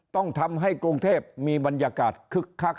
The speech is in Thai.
ต้องทำให้กรุงเทพมีบรรยากาศคึกคัก